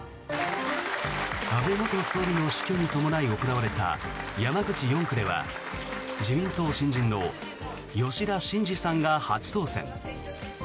安倍元総理の死去に伴い行われた山口４区では自民党新人の吉田真次さんが初当選。